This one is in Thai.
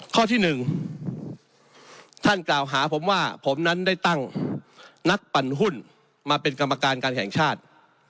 ข้อที่๑ท่านกล่าวหาผมว่าผมนั้นได้ตั้งนักปั่นหุ้นมาเป็นกรรมการการแห่งชาติ